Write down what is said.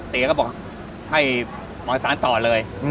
เตี๋ยวก็บอกให้มศ๓ต่อเลย